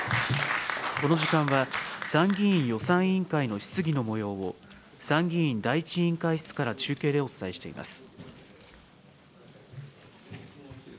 この時間は、参議院予算委員会の質疑のもようを、参議院第１委員会室から中継でお伝えしています。